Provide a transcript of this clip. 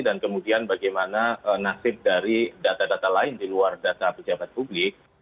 dan kemudian bagaimana nasib dari data data lain di luar data pejabat publik